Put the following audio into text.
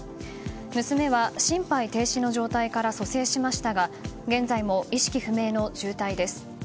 娘は心肺停止の状態から蘇生しましたが現在も意識不明の重体です。